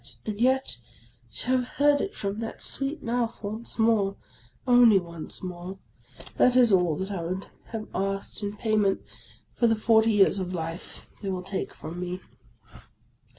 And yet to have heard it from that sweet mouth, once more, — only once more, — that is all that I would have asked in payment for the forty years of life they will take from me.